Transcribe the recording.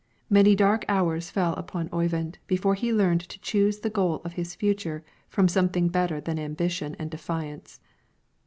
Many dark hours fell upon Oyvind before he learned to choose the goal of his future from something better than ambition and defiance.